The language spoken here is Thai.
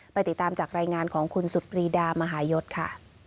ติดตามจากรายงานของคุณสุดปรีดามหายศค่ะ